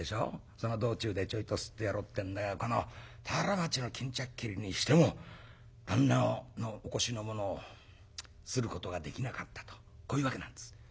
その道中でちょいとすってやろうってんだが田原町の巾着切りにしても旦那のお腰のものをすることができなかったとこういうわけなんです」。